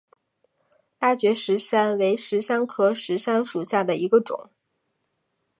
拉觉石杉为石杉科石杉属下的一个种。